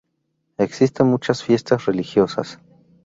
Existe muchas fiestas religiosas.